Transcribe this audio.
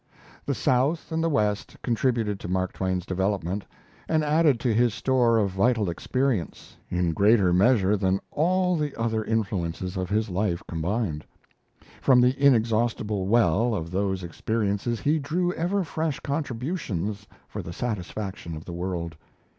The South and the West contributed to Mark Twain's development, and added to his store of vital experience, in greater measure than all the other influences of his life combined. From the inexhaustible well of those experiences he drew ever fresh contributions for the satisfaction of the world.